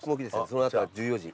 その後は１４時。